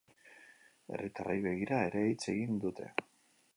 Herritarrei begira ere hitz egin dute.